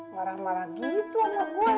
marah marah gitu sama gue